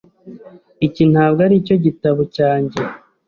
Iki ntabwo aricyo gitabo cyanjye .